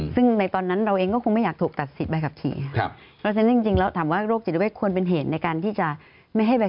ซึ่งในตอนนั้นเราเองก็คงไม่อยากถูกตัดสิทธิ์ใบขับขี่ครับ